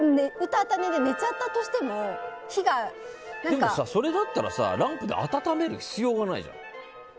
うたた寝で寝ちゃったとしてもそれだったら、ランプで温める必要がないじゃん。